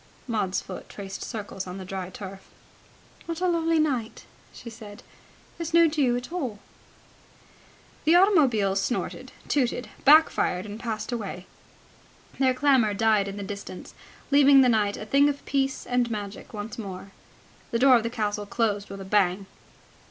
Maud's foot traced circles on the dry turf. "What a lovely night," she said. "There's no dew at all." The automobiles snorted, tooted, back fired, and passed away. Their clamour died in the distance, leaving the night a thing of peace and magic once more. The door of the castle closed with a bang.